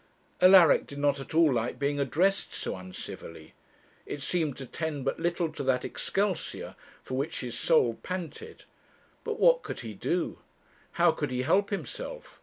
Alaric did not at all like being addressed so uncivilly. It seemed to tend but little to that 'Excelsior' for which his soul panted; but what could he do? how could he help himself?